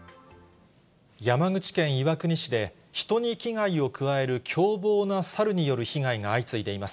山口県岩国市で、人に危害を加える凶暴な猿による被害が相次いでいます。